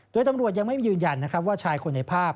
โดยตำรวจยังไม่ยืนยันนะครับว่าชายคนในภาพ